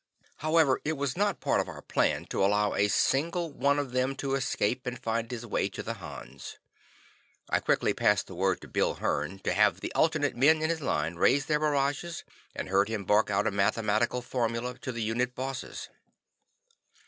However, it was not part of our plan to allow a single one of them to escape and find his way to the Hans. I quickly passed the word to Bill Hearn to have the alternate men in his line raise their barrages and heard him bark out a mathematical formula to the Unit Bosses.